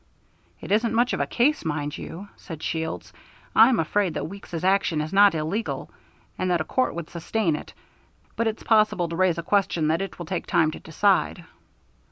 "It isn't much of a case, mind you," said Shields. "I'm afraid that Weeks's action is not illegal, and that a court would sustain it, but it's possible to raise a question that it will take time to decide."